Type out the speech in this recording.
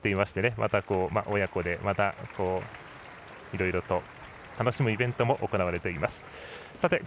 また親子でいろいろと楽しむイベントも行われています。